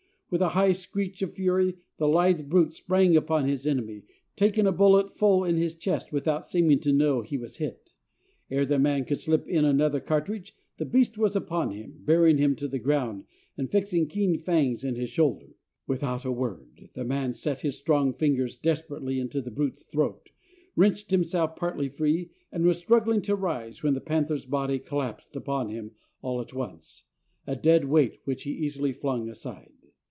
With a high screech of fury, the lithe brute sprang upon his enemy, taking a bullet full in his chest without seeming to know he was hit. Ere the man could slip in another cartridge the beast was upon him, bearing him to the ground and fixing keen fangs in his shoulder. Without a word, the man set his strong fingers desperately into the brute's throat, wrenched himself partly free, and was struggling to rise, when the panther's body collapsed upon him all at once, a dead weight which he easily flung aside.